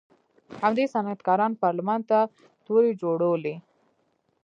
همدې صنعتکارانو پارلمان ته تورې جوړولې.